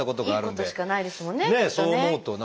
いいことしかないですもんねきっとね。